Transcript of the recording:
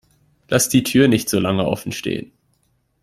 Lass die Tür nicht so lange offen stehen!